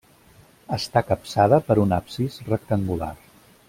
Està capçada per un absis rectangular.